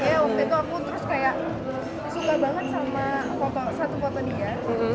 iya waktu itu aku terus kayak suka banget sama satu foto dia